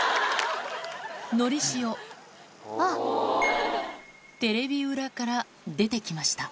のりしお、テレビ裏から出てきました。